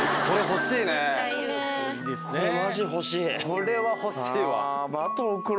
これは欲しいわ。